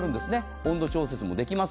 温度調節もできます。